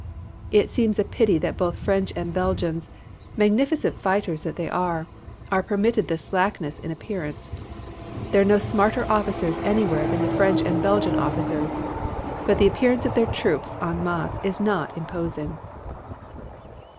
It seems a pity that both French and Belgians, magnificent fighters that they are, are permitted this slackness in appearance. There are no smarter officers anywhere than the French and Belgian officers, but the appearance of their troops en masse is not imposing.